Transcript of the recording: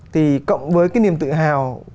thì cộng với cái niềm tự hào